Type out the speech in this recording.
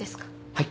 はい。